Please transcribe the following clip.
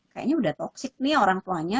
kayaknya udah toxic nih orang tuanya